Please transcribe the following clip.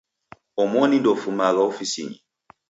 Omoni ndoufumagha ofisinyi.